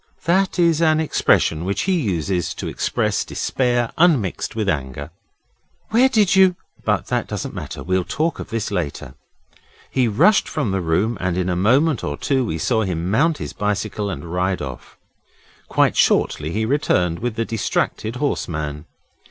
That is an expression which he uses to express despair unmixed with anger. 'Where did you? but that doesn't matter. We'll talk of this later.' He rushed from the room, and in a moment or two we saw him mount his bicycle and ride off. Quite shortly he returned with the distracted horse man.